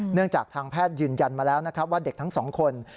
จากทางแพทย์ยืนยันมาแล้วนะครับว่าเด็กทั้งสองคน